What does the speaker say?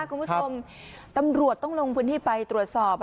คุณผู้ชมตำรวจต้องลงพื้นที่ไปตรวจสอบ